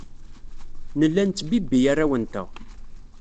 Nella nettbibbi arraw-nteɣ.